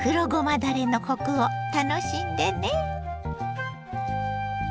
だれのコクを楽しんでね。